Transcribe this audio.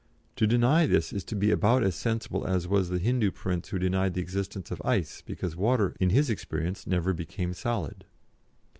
To deny this is to be about as sensible as was the Hindû prince who denied the existence of ice because water, in his experience, never became solid.